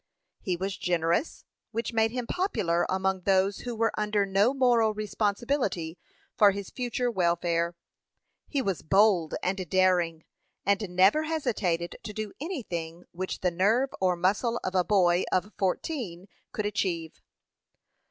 He was generous, which made him popular among those who were under no moral responsibility for his future welfare. He was bold and daring, and never hesitated to do anything which the nerve or muscle of a boy of fourteen could achieve.